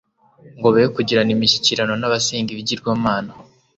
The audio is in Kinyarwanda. ngo be kugirana imishyikirano n'abasenga ibigirwamana;